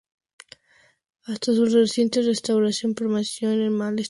Hasta su reciente restauración, permaneció en mal estado y semi-abandonado.